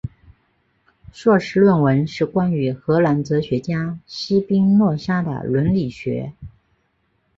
硕士论文是关于荷兰哲学家斯宾诺莎的伦理学。